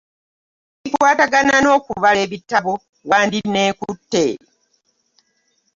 Mu bikwatagana n'okubala ebitabo wandinneekutte.